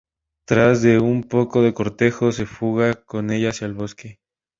Tras de un poco de cortejo, se fuga con ella hacia el bosque.